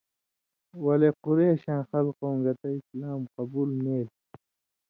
ولے قُرېشاں خلقؤں گتہ اسلام قبول نېریۡ۔